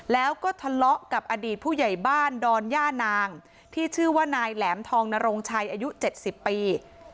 แล้วก็ทะเลาะกับอดีตผู้ใหญ่บ้านดอนย่านางที่ชื่อว่านายแหลมทองนรงชัยอายุ๗๐ปี